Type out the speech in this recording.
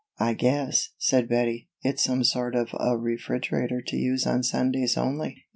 "I guess," said Bettie, "it's some sort of a refrigerator to use on Sundays only."